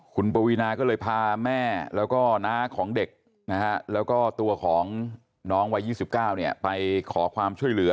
คุณปวีนาก็เลยพาแม่แล้วก็น้าของเด็กนะฮะแล้วก็ตัวของน้องวัย๒๙ไปขอความช่วยเหลือ